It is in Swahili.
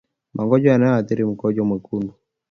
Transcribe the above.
Magonjwa yanayoathiri mkojo mwekundu